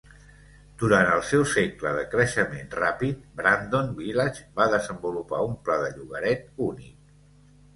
Durant el seu segle de creixement ràpid, Brandon Village va desenvolupar un pla de llogaret únic.